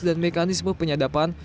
dan mekanisme penyadapkan